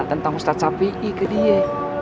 tentang ustadz api ke dia